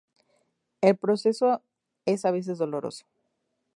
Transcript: El proceso es a veces doloroso.